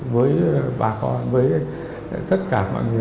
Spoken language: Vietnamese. với bà con với tất cả mọi người